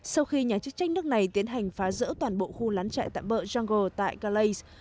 sau khi nhà chức trách nước này tiến hành phá rỡ toàn bộ khu lán chạy tạm bợ jungle tại calais